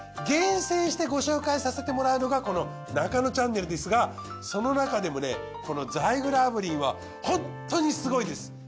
厳選してご紹介させてもらうのがこの『ナカノチャンネル』ですがその中でもねこのザイグル炙輪はホントにすごいです！